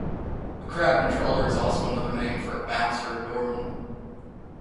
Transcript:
A crowd controller is also another name for a bouncer or doorman.